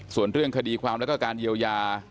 ส่วนเรื่องคดีความลักษณะการเดี๋ยวยา